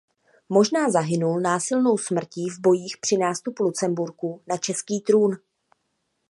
Možná zahynul násilnou smrtí v bojích při nástupu Lucemburků na český trůn.